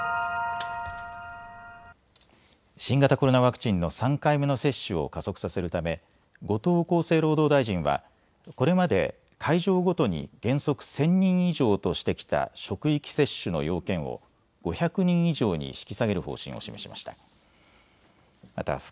新型コロナワクチンの３回目の接種を加速させるため後藤厚生労働大臣はこれまで会場ごとに原則１０００人以上としてきた職域接種の要件を５００人以上に引き下げる方針を示しました。